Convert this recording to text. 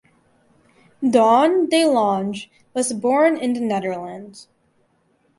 Daan de Lange was born in the Netherlands.